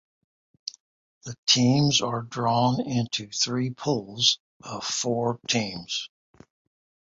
The teams are drawn into three pools of four teams each.